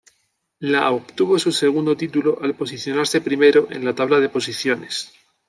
La obtuvo su segundo título al posicionarse primero en la tabla de posiciones.